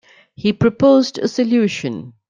He proposed a solution.